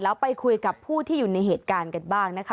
แล้วไปคุยกับผู้ที่อยู่ในเหตุการณ์กันบ้างนะคะ